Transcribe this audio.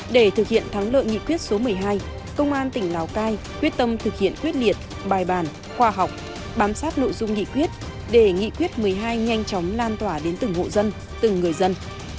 để thực hiện thắng lợi nghị quyết số một mươi hai công an tỉnh lào cai quyết tâm thực hiện quyết liệt bài bản khoa học bám sát nội dung nghị quyết để nghị quyết một mươi hai nhanh chóng lan tỏa đến từng hộ dân từng người dân